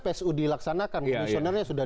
psu dilaksanakan komisionernya sudah